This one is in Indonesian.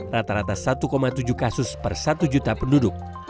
rata rata satu tujuh kasus per satu juta penduduk